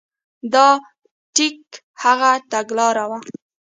دا ټیک هغه تګلاره وه.